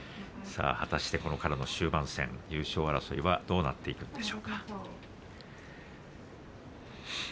果たして、これからの終盤戦優勝争いはどうなっていくでしょうか。